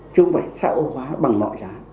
chứ không phải xã hội hóa bằng mọi giá